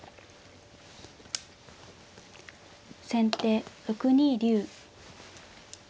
先手６二竜。